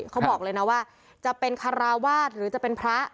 เขาบอกเลยนะว่าจะเป็นคาราวาสหรือจะเป็นพระ